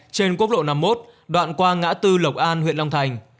trên quốc lộ năm mươi một đoạn qua ngã tư lộc an huyện long thành